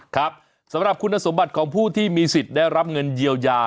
ครับสำหรับคุณสมบัติของผู้ที่มีสิทธิ์ได้รับเงินเยียวยา